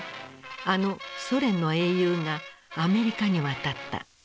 あのソ連の英雄がアメリカに渡った。